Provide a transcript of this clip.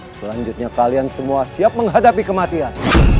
selanjutnya kalian semua siap menghadapi kematian